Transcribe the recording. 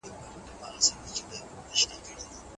مشرانو به د هیواد د کلتوري ارزښتونو ساتنه کوله.